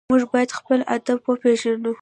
موږ باید خپل ادب وپېژنو.